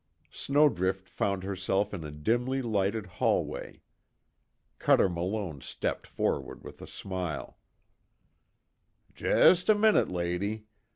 Snowdrift found herself in a dimly lighted hallway. Cuter Malone stepped forward with a smile: "Jest a minute, lady.